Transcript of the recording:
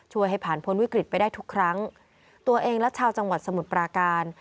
ให้ผ่านพ้นวิกฤตไปได้ทุกครั้งตัวเองและชาวจังหวัดสมุทรปราการ